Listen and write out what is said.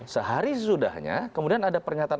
sehari sesudahnya kemudian ada pernyataan